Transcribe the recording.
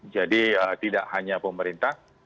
jadi tidak hanya pemerintah